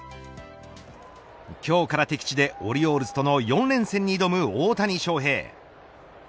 今日から敵地でオリオールズとの４連戦に挑む大谷翔平。